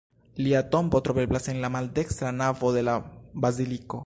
Lia tombo troveblas en la maldekstra navo de la baziliko.